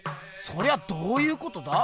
そりゃどういうことだ？